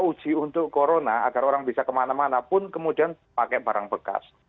uji untuk corona agar orang bisa kemana mana pun kemudian pakai barang bekas